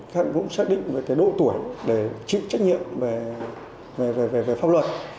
các nhà cũng xác định về cái độ tuổi để chịu trách nhiệm về pháp luật